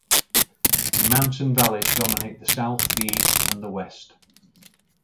The mountain valleys dominate the south, the east and the west.